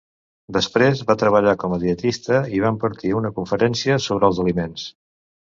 Després, va treballar com a dietista i va impartir una conferència sobre els aliments.